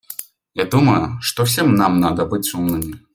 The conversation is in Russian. Я думаю, что всем нам надо быть умными.